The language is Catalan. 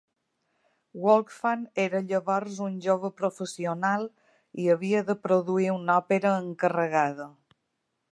Wolfgang era llavors un jove professional i havia de produir una òpera encarregada.